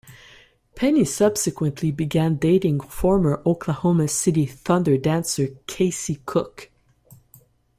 Penny subsequently began dating former Oklahoma City Thunder dancer Kaci Cook.